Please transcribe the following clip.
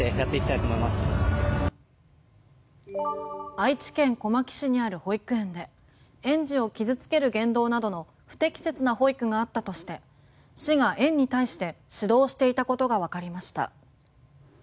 愛知県小牧市にある保育園で園児を傷つける言動などの不適切な保育があったとして市が園に対して指導していたことがわかりました。